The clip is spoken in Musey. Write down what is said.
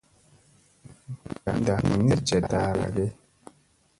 Ndak ni ca ta ara ge.